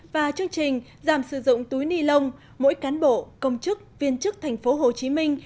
và chương trình giảm sử dụng túi ni lông mỗi cán bộ công chức viên chức thành phố hồ chí minh